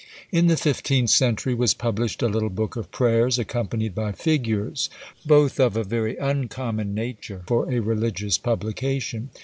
In the fifteenth century was published a little book of prayers, accompanied by figures, both of a very uncommon nature for a religious publication.